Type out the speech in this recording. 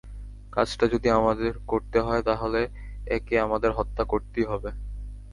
কাজটা যদি আমাদের করতে হয়, তাহলে একে আমাদের হত্যা করতেই হবে!